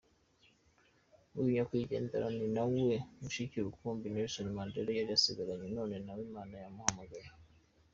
Uyu nyakwigendera ni nawe mushiki rukumbi Nelson Mandela yari asigaranye none nawe Imana yamuhamagaye.